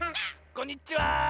こんにちは！